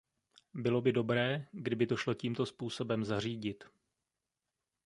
Bylo by dobré, kdyby to šlo tímto způsobem zařídit.